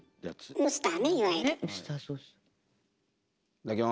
いただきます。